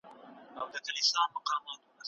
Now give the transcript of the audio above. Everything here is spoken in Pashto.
ولې زده کړه ډېره مهمه ده؟